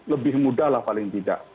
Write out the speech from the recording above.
lebih mudah lah paling tidak